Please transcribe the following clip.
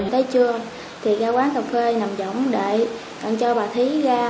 tới trưa thì ra quán tàu phê nằm giọng để cho bà thí ra